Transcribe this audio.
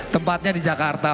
tempatnya di jakarta